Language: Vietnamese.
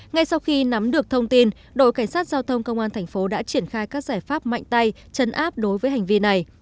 ngay sau khi nắm được thông tin đội cảnh sát giao thông công an thành phố đã triển khai các giải pháp mạnh tay chấn áp đối với hành vi này